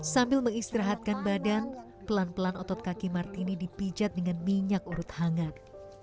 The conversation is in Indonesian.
sambil mengistirahatkan badan pelan pelan otot kaki martini dipijat dengan minyak urut hangat